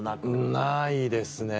ないですね。